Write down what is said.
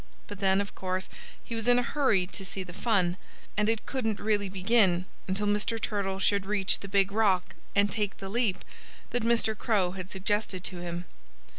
But then, of course, he was in a hurry to see the fun. And it couldn't really begin until Mr. Turtle should reach the big rock and take the leap that Mr. Crow had suggested to him.